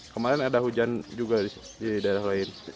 kemarin ada hujan juga di daerah lain